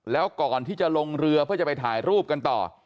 แล้วก่อนที่จะลงเรือเพื่อจะไปถ่ายรูปกันต่อ